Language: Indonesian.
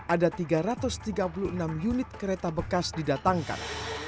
ada tiga ratus tiga puluh enam unit kereta bekas didatangkan